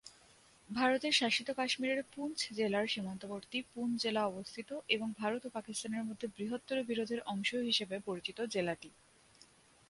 ভারতের শাসিত কাশ্মীরের পুঞ্চ জেলার সীমান্তবর্তী পুঞ্চ জেলা অবস্থিত এবং ভারত ও পাকিস্তানের মধ্যে বৃহত্তর বিরোধের অংশ হিসেবে পরিচিত জেলাটি।